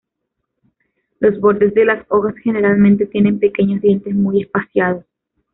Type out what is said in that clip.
Los bordes de las hojas generalmente tienen pequeños dientes muy espaciados.